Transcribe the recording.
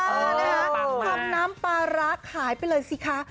คำนำปารักษ์ขายไปเลยสิคะ